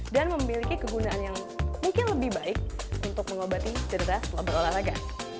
dan memiliki kegunaan yang mungkin lebih baik untuk mengobati cedera berolahraga